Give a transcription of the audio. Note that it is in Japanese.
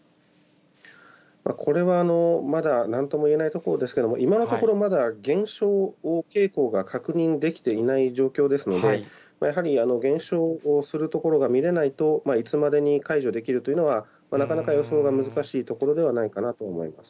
これはまだ、なんとも言えないところですけれども、今のところ、まだ減少傾向が確認できていない状況ですので、やはり、減少するところが見れないと、いつまでに解除できるというのは、なかなか予想が難しいところではないかなと思います。